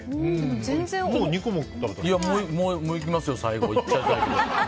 もういきますよ、最後。